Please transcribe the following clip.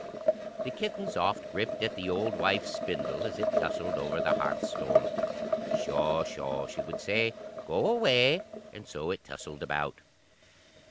The kittens oft gripped at the old wife's spindle, as it tussled over the hearthstone. "Sho, sho," she would say, "go away;" and so it tussled about.